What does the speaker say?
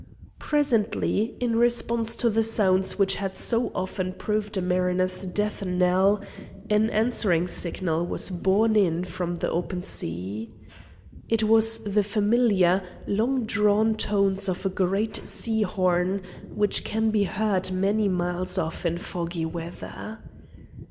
Presently, in response to the sounds which had so often proved a mariner's death knell, an answering signal was borne in from the open sea. It was the familiar, long drawn tones of a great sea horn, which can be heard many miles off in foggy weather.